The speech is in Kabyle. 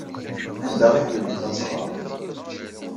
Anda ay tlemdem ad teɣrem?